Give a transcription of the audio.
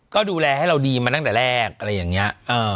ก็ดูแลให้เราดีมาตั้งแต่แรกอะไรอย่างนี้